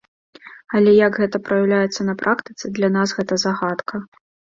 Але як гэта праяўляецца на практыцы, для нас гэта загадка.